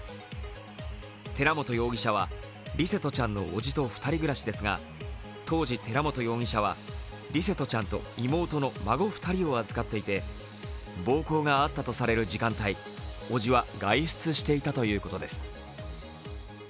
寺本容疑者は、琉聖翔ちゃんのおじと２人暮らしですが、当時、寺本容疑者は琉聖翔ちゃんと妹の孫２人を預かっていて暴行があったとされる時間帯叔父は外出していたということです。